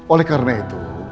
oleh karena itu